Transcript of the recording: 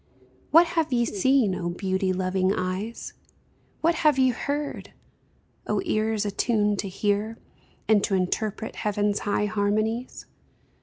What have ye seen, O beauty loving eyes ? What have ye heard, O ears attuned to hear And to interpret heaven's high harmonies